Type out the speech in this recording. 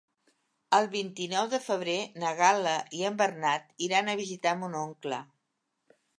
El vint-i-nou de febrer na Gal·la i en Bernat iran a visitar mon oncle.